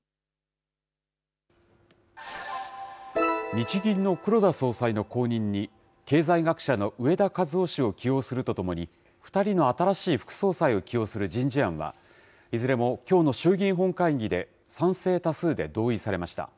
日銀の黒田総裁の後任に、経済学者の植田和男氏を起用するとともに、２人の新しい副総裁を起用する人事案は、いずれもきょうの衆議院本会議で賛成多数で同意されました。